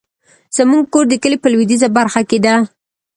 زمونږ کور د کلي په لويديځه برخه کې ده